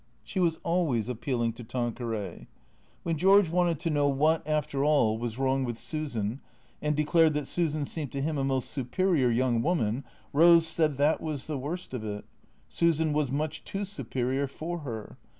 She was always ap pealing to Tanqueray. When George wanted to know what, after all, was wrong with Susan, and declared that Susan seemed to him a most superior young woman, Eose said that was the worst of it. Susan was much too superior for her.